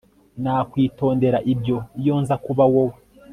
nakwitondera ibyo iyo nza kuba wowe